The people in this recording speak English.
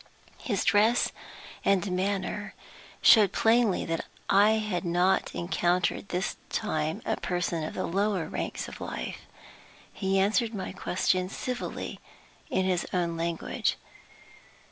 His dress and manner showed plainly that I had not encountered this time a person in the lower ranks of life. He answered my question civilly in his own language.